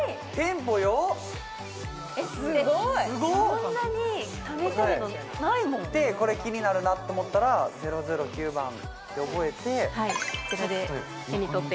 こんなに試せるのないもんでこれ気になるなと思ったら００９番って覚えてはい